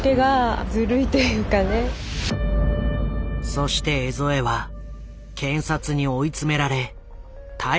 そして江副は検察に追い詰められ逮捕される。